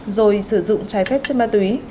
rồi sử dụng trái phép chất ma túy